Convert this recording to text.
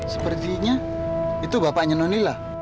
sepertinya itu bapaknya nonila